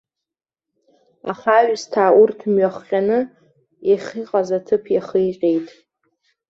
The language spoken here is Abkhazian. Аха аҩсҭаа урҭ мҩахҟьаны, иахьыҟаз аҭыԥ иахигеит.